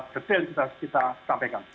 detail kita sampaikan